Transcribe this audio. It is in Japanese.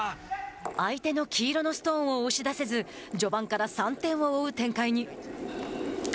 相手の黄色のストーンを押し出せず序盤から３点を追う展開に。